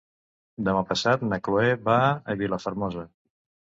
Demà passat na Cloè va a Vilafermosa.